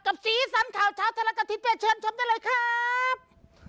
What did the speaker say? กับสีสันข่าวเช้าทะลักษณ์อาทิตย์ไปเชิญชมได้เลยครับ